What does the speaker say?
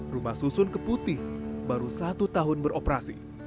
rumah susun keputih baru satu tahun beroperasi